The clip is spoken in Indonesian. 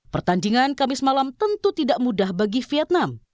pertandingan kamis malam tentu tidak mudah bagi vietnam